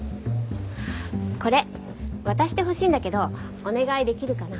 これ渡してほしいんだけどお願いできるかな？